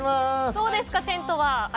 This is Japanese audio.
どうですか、テントは？